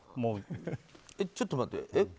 ちょっと待って。